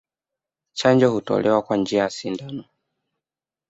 Chanjo hutolewa kwa njia ya sindano